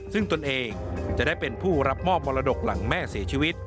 ซึ่งตนเองจะได้เป็นผู้รับมอบมรดกหลังแม่เสียชีวิต